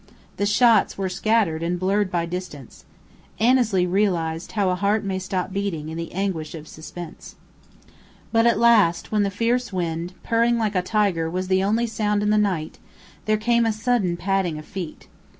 The shots were scattered and blurred by distance. Annesley realized how a heart may stop beating in the anguish of suspense. But at last when the fierce wind, purring like a tiger, was the only sound in the night, there came a sudden padding of feet.